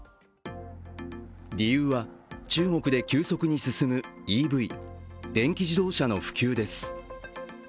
理由は、中国で急速に進むＥＶ＝電気自動車の普及です。